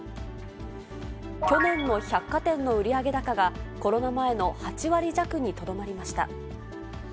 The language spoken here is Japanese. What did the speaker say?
去年の百貨店の売上高が、コロナ前の８割弱にとどまりました。